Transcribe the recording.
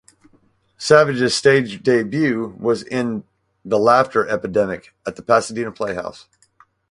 Savage's stage debut was in "The Laughter Epidemic" at the Pasadena Playhouse.